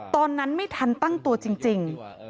ตอนนั้นไม่ทันตั้งตัวจริง